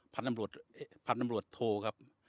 พันธุ์ตำรวจโทครับ